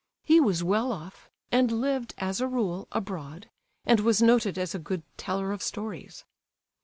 He was well off, and lived, as a rule, abroad, and was noted as a good teller of stories.